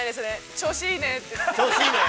調子いいねって。